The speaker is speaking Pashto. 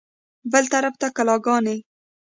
بل طرف ته کلاګانې.